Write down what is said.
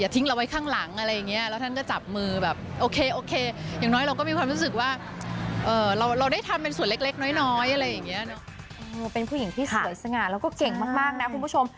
ที่สวยสง่าแล้วก็เก่งมากนะคุณผู้ชม